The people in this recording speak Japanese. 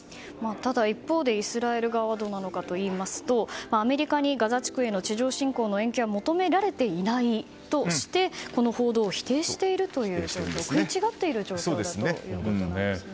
ただ、一方でイスラエル側はどうなのかといいますとアメリカにガザ地区への地上侵攻の延期は求められていないとしてこの報道を否定していて食い違っている状況だということなんですね。